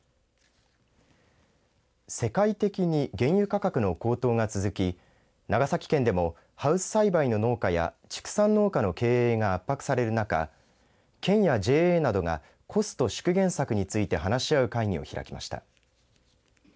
世界的に原油価格の高騰が続き長崎県でもハウス栽培の農家や畜産農家の経営が圧迫される中県やＪＡなどがコスト縮減策について話し合う会議を開きました。